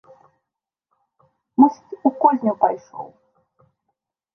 Мусіць, у кузню пайшоў.